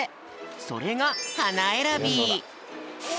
それがはなえらび！